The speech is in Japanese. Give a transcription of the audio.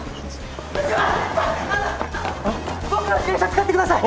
あの僕の自転車使ってください。